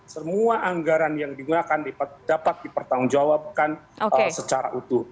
semua anggaran yang digunakan dapat dipertanggungjawabkan secara utuh